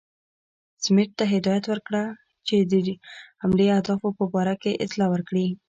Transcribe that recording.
سمیت ته هدایت ورکړ چې د حملې اهدافو په باره کې اطلاع ورکړي.